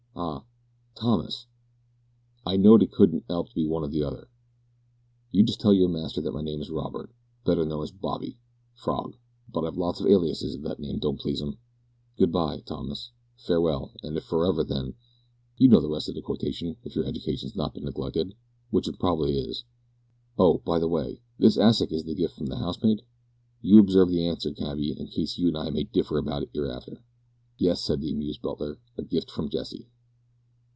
Ah! Thomas. I knowed it couldn't 'elp to be one or t'other; you just tell your master that my name is Robert, better known as Bobby, Frog. But I've lots of aliases, if that name don't please 'im. Good bye, Thomas. Farewell, and if for ever, then you know the rest o' the quotation, if your eddication's not bin neglected, w'ich is probable it was. Oh! by the way. This 'assik is the gift of the 'ouse maid? You observe the answer, cabby, in case you and I may differ about it 'ereafter." "Yes," said the amused butler, "a gift from Jessie."